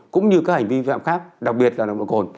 cũng như các hành vi vi phạm khác đặc biệt là nồng độ cồn